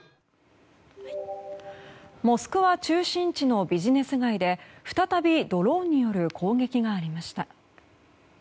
モスクワ中心地のビジネス街で再びドローンによる攻撃がありました。